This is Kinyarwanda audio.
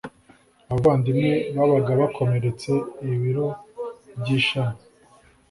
abavandimwe babaga bakomeretse ibiro by ishami